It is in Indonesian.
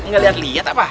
gak liat liat apa